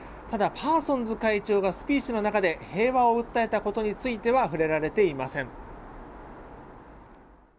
ただ、パーソンズ会長がスピーチの中で平和を訴えたことについては触れられていません。